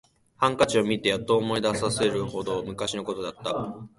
ハンカチを見てやっと思い出せるほど昔のことだった